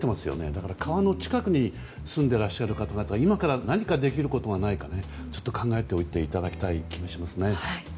だから、川の近くに住んでいらっしゃる方は今から何かできることがないか考えておいていただきたい気もしますね。